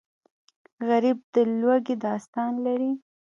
غریب د لوږې داستان لري